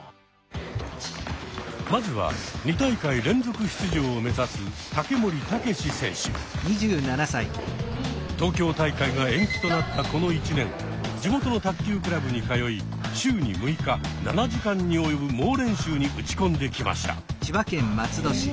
まずは２大会連続出場をめざす東京大会が延期となったこの１年地元の卓球クラブに通い週に６日７時間に及ぶ猛練習に打ち込んできました。